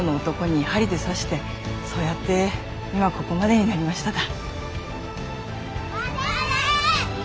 そうやって今ここまでになりましただ。